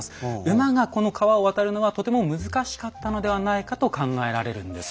馬がこの川を渡るのはとても難しかったのではないかと考えられるんです。